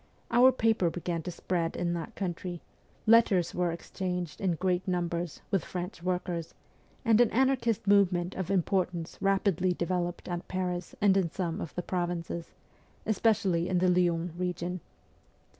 Our paper began to spread in that country, letters were exchanged in great numbers with French workers, and an anarchist movement of importance rapidly developed at Paris and in some of the provinces, especially in the Lyons region.